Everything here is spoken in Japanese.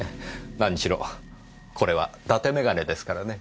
何しろこれは伊達眼鏡ですからね。